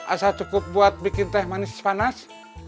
asal cukup buat bikin teh manis panas